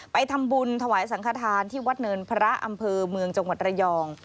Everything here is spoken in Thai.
ไปทำบุญถวายสังขทานที่วัดเนินพระอำเภอเมืองจังหวัดระยอง